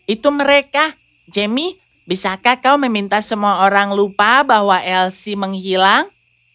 itu mereka jamie bisakah kau meminta semua orang lupa bahwa elsie menghilang